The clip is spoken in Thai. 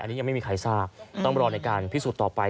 อันนี้ยังไม่มีใครทราบต้องรอในการพิสูจน์ต่อไป